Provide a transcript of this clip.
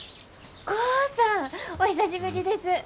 豪さんお久しぶりです。